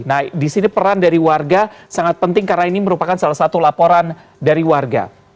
nah di sini peran dari warga sangat penting karena ini merupakan salah satu laporan dari warga